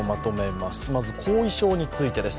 まず後遺症についてです。